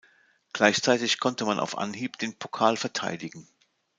Gleichzeitig konnte man auf Anhieb den Pokal verteidigen.